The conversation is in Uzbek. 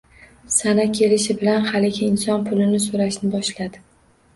Sana kelishi bilan haligi inson pulini so‘rashni boshladi.